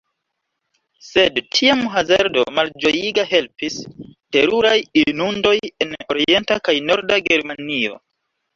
Sed tiam hazardo, malĝojiga, helpis: teruraj inundoj en orienta kaj norda Germanio.